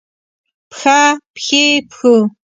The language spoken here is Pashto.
پښه ، پښې ، پښو